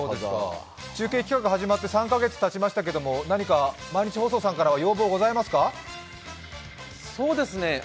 中継企画始まって３カ月たちましたけれども、何か毎日放送さんから何かご要望はございますか？